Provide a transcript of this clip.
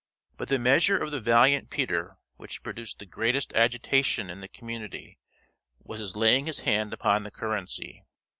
But the measure of the valiant Peter which produced the greatest agitation in the community was his laying his hand upon the currency.